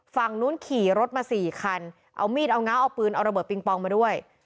ฝั่งนู้นขี่รถมาสี่คันเอามีดเอาง้าเอาปืนเอาระเบิดปิงปองมาด้วย